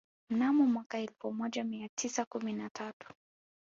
Mnamo mwaka wa elfu moja mia tisa kumi na tatu